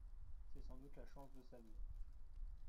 C'est sans doute la chance de sa vie.